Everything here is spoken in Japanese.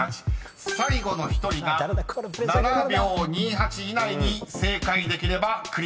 ［最後の１人が７秒２８以内に正解できればクリア］